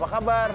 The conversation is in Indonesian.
bunuh dia mundur